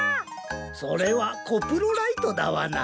それはコプロライトダワナ。